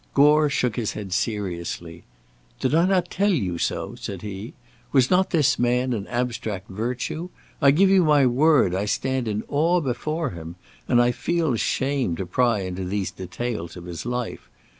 Gore shook his head seriously; "Did I not tell you so?" said he. "Was not this man an abstract virtue? I give you my word I stand in awe before him, and I feel ashamed to pry into these details of his life.